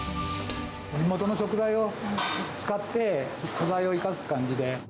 地元の食材を使って、食材を生かす感じで。